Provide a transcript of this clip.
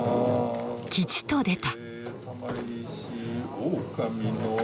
吉と出た。